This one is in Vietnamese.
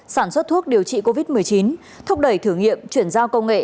sản xuất thuốc điều trị covid một mươi chín thúc đẩy thử nghiệm chuyển giao công nghệ